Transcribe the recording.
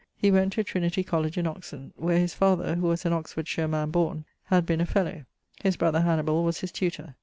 _) he went to Trinity Colledge in Oxon, where his father (who was an Oxfordshire man borne) had been a fellowe. His brother Hannibal was his tutor.